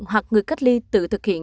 hoặc người cách ly tự thực hiện